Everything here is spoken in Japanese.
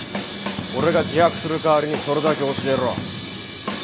俺が自白する代わりにそれだけ教えろ。